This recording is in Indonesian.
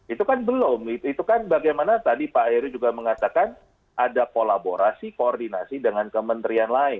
itu kan belum itu kan bagaimana tadi pak heru juga mengatakan ada kolaborasi koordinasi dengan kementerian lain